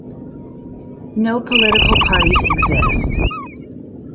No political parties exist.